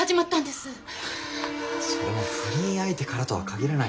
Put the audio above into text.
それも不倫相手からとは限らない。